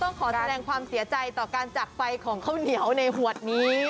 ขอแสดงความเสียใจต่อการจักรไปของข้าวเหนียวในหวดนี้